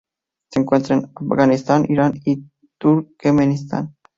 Se encuentra en Afganistán, Irán, y Turkmenistán.